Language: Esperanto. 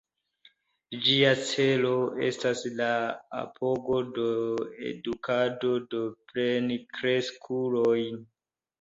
Ĝia celo estas la apogo de edukado de plenkreskuloj.